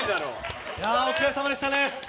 お疲れさまでしたね。